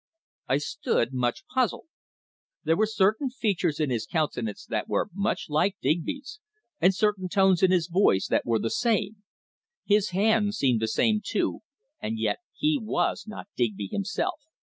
I stood much puzzled. There were certain features in his countenance that were much like Digby's, and certain tones in his voice that were the same. His hands seemed the same, too, and yet he was not Digby himself.